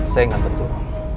saya gak betul